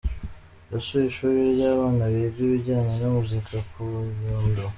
Yasuye ishuri ry’ abana biga ibijyanye na muzika ku Nyundo.